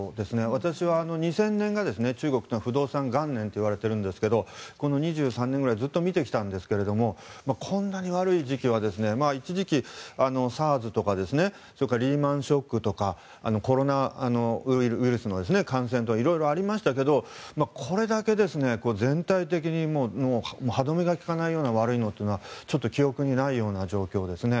私は２０００年が中国というのは不動産元年といわれているんですがこの２３年ぐらいずっと見てきたんですがこんなに悪い時期は一時期、ＳＡＲＳとかリーマン・ショックとかコロナウイルスの感染とか色々ありましたけれどこれだけ全体的にもう歯止めが利かないような悪いのというのはちょっと記憶にないような状況ですね。